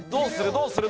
どうする？